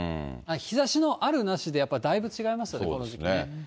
日ざしのあるなしでだいぶ違いますね、この時期ね。